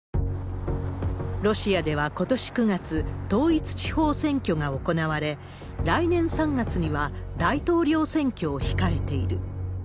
ロシアではことし９月、統一地方選挙が行われ、来年３月には大統領選挙を控えている。